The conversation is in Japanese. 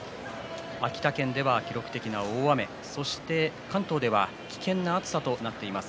秋田県では記録的な大雨そして関東では危険な暑さとなっています。